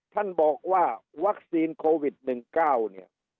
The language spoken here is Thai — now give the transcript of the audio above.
ท่านบอกว่าวัคซีนโควิด๑๙เนี่ย